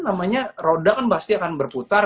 namanya roda kan pasti akan berputar